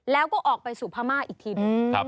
แล้วก็ออกไปสู่พม่าอีกทีหนึ่ง